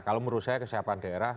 kalau menurut saya kesiapan daerah